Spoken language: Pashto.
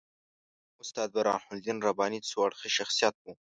استاد برهان الدین رباني څو اړخیز شخصیت وو.